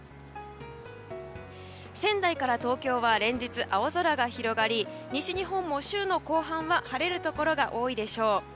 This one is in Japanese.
仙台から東京は連日、青空が広がり西日本も週の後半は晴れるところが多いでしょう。